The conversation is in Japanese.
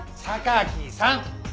さかきさん！